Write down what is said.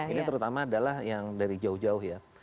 ini terutama adalah yang dari jauh jauh ya